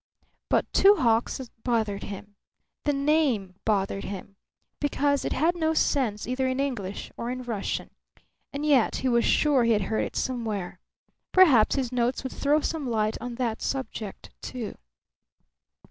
But Two Hawks bothered him; the name bothered him, because it had no sense either in English or in Russian. And yet he was sure he had heard it somewhere. Perhaps his notes would throw some light on that subject, too.